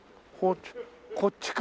こっちか。